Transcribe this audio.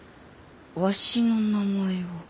わしの名前を。